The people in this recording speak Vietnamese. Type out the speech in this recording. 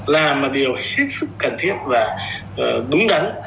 là một điều hết sức cần thiết và đúng đắn